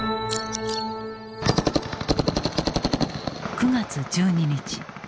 ９月１２日